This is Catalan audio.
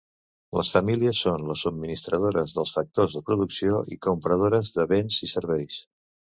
Les famílies són les subministradores dels factors de producció i compradores de béns i serveis.